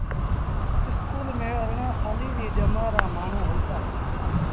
اسڪول ارڙآن سآليٚݩ ڄمآر رآ مآڻهوٚݩ هوئيٚتآ۔